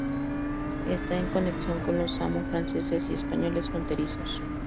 Esta en conexión con los Samu franceses y españoles fronterizos.